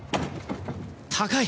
高い。